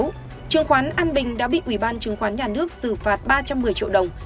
trong lúc đó chứng khoán an bình đã bị ủy ban chứng khoán nhà nước xử phạt ba trăm một mươi triệu đồng